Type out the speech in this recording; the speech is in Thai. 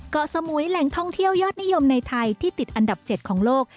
สมุยแหล่งท่องเที่ยวยอดนิยมในไทยที่ติดอันดับ๗ของโลก